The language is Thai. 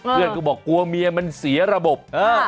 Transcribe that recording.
เพื่อนก็บอกกลัวเมียมันเสียระบบ